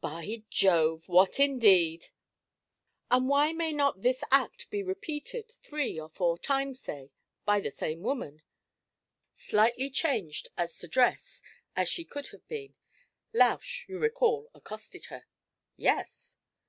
'By Jove! what indeed?' 'And why may not this act be repeated, three or four times, say, by the same woman, slightly changed as to dress, as she could have been? Lausch, you recall, accosted her.' 'Yes.'